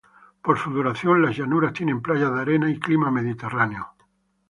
Por su duración, la llanura tiene playas de arena y clima Mediterráneo.